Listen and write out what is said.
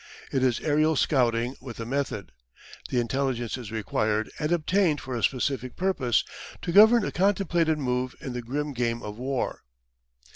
It is aerial scouting with a method. The intelligence is required and obtained for a specific purpose, to govern a contemplated move in the grim game of war.